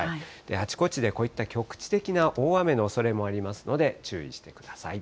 あちこちでこういった局地的な大雨のおそれもありますので、注意してください。